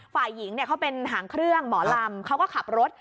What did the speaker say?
ฝ่ายหญิงเขาเป็นหางเครื่องหมอลำเขาก็ขับรถ